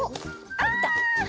あ！いった！